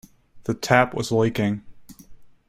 The tap was leaking.